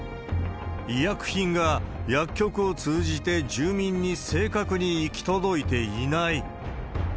医薬品が薬局を通じて住民に正確に行き届いていない。